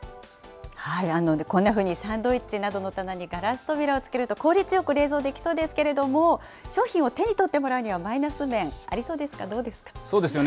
こんなふうにサンドイッチなどの棚にガラス扉をつけると効率よく冷蔵できそうですけれども、商品を手に取ってもらうには、マイナス面、ありそうですか、どうですか。